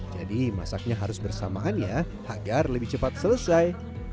jadi masaknya harus bersamaannya agar lebih cepat selesai